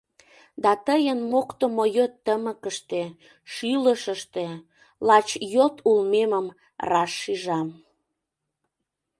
Да тыйын моктымо йот тымыкыште, Шӱлышыштӧ Лач йот улмемым раш шижам.